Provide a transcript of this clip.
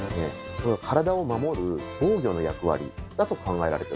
これは体を守る防御の役割だと考えられております。